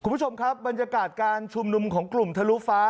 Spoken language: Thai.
คุณผู้ชมครับบรรยากาศการชุมนุมของกลุ่มทะลุฟ้า